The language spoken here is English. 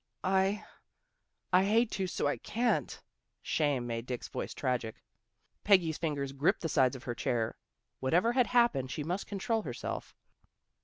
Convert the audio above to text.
"I I hate to so I can't." Shame made Dick's voice tragic. Peggy's fingers gripped the sides of her chair. Whatever had happened she must control herself.